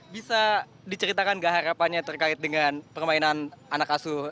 bisa diceritakan nggak harapannya terkait dengan permainan anak asuh